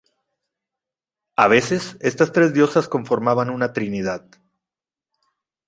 A veces, estas tres diosas conformaban una trinidad.